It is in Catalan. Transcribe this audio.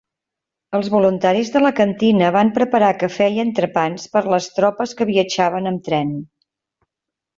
Els voluntaris de la cantina van preparar cafè i entrepans per a les tropes que viatjaven amb tren.